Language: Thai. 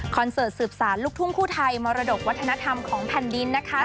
เสิร์ตสืบสารลูกทุ่งคู่ไทยมรดกวัฒนธรรมของแผ่นดินนะคะ